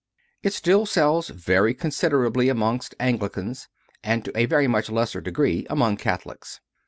It still sells very considerably amongst Anglicans; and, to a very much lesser degree, among Catholics.